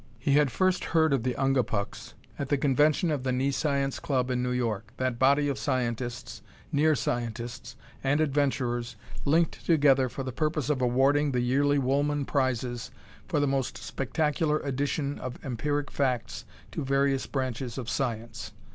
He had first heard of the Ungapuks at the convention of the Nescience Club in New York, that body of scientists, near scientists and adventurers linked together for the purpose of awarding the yearly Woolman prizes for the most spectacular addition of empiric facts to various branches of science.